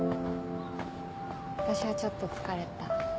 私はちょっと疲れた。